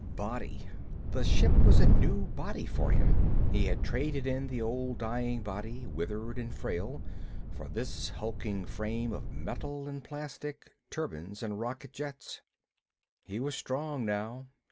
Body The ship was a new body for him. He had traded in the old dying body, withered and frail, for this hulking frame of metal and plastic, turbines and rocket jets. He was strong, now.